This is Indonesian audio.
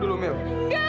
tapi aku terus terima dok